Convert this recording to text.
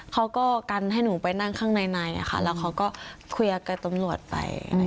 เขาก็กันให้หนูไปนั่งข้างในแล้วเขาก็คุยกับตำรวจไป